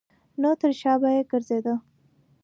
نو تر شا به یې ګرځېده.